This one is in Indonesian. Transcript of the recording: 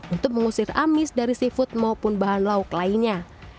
untuk mengusir amis dari seafood maupun bahan lauk lainnya